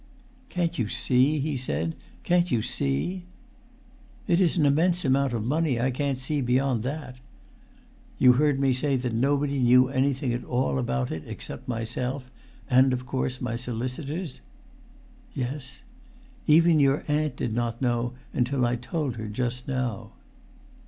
"Can't you see?" he said. "Can't you see?" "It is an immense amount of money. I can't see beyond that." "You heard me say that nobody knew anything at all about it except myself, and, of course, my solicitors?" "Yes." "Even your aunt did not know until I told her just now."